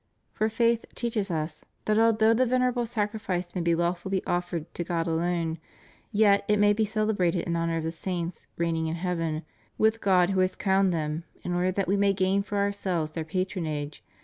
For faith teaches us, that although the venerable Sacrifice may be lawfully offered to God alone, yet it may be celebrated in honor of the saints reigning in heaven with God who has crowned them, in order that we may gain for ourselves their patronage.